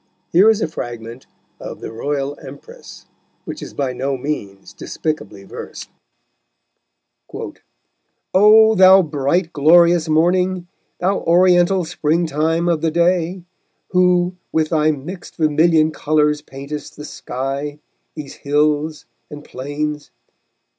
Here is a fragment of The Royal Empress, which is by no means despicably versed: _O thou bright, glorious morning, Thou Oriental spring time of the day, Who with thy mixed vermilion colours paintest The sky, these hills and plains!